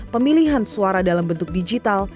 pemilihan suara dalam bentuk digital